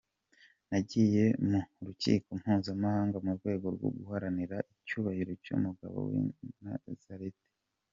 Nagiye mu Rukiko Mpuzamahanga mu rwego rwo guharanira icyubahiro cy’umugabo w’Inazareti.